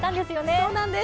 そうなんです。